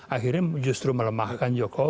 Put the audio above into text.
akhirnya justru melemahkan jokowi